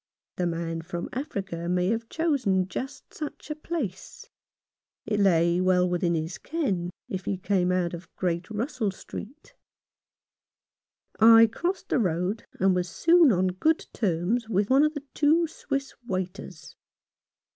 The man from Africa may have chosen just such a place. It lay well within his ken, if he came out of Great Russell Street. I crossed 131 Rough Justice, the road, and was soon on good terms with one of the two Swiss waiters.